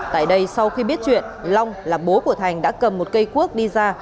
tại đây sau khi biết chuyện long là bố của thành đã cầm một cây cuốc đi ra